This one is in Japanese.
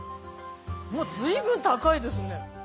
随分高いですね。